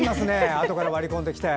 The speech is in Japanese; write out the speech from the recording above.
あとから割り込んできて。